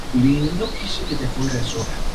Se la puede encontrar sobre todo tipo de sustratos.